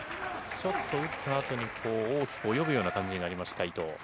ちょっと打ったあとに、大きく泳ぐような感じになりました、伊藤。